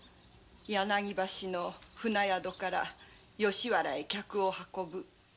柳橋の船宿から吉原へ客を運ぶちょき舟の。